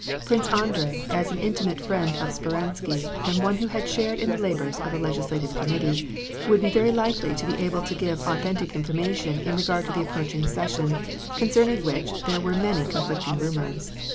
Prince Andrei, as an intimate friend of Speransky, and one who had shared in the labors of the Legislative Committee, would be very likely to be able to give authentic information in regard to the approaching session, concerning which there were many conflicting rumors.